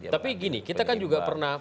tapi gini kita kan juga pernah